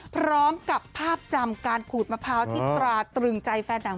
พร้อมกับภาพจำการขูดมะพร้าวที่ตราตรึงใจแฟนหนัง